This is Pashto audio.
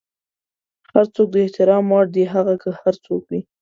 هر څوک د احترام وړ دی، هغه که هر څوک وي.